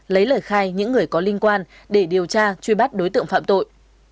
lấy lời khai những người có liên quan để điều tra truy bắt đối tượng phạm tội